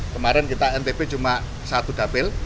kemarin kita ntp cuma satu dapil